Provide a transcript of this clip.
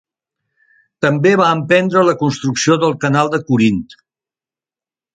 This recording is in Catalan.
També va emprendre la construcció del Canal de Corint.